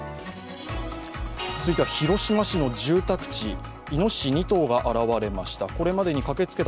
続いては広島市の住宅地、いのしし２頭が現れました。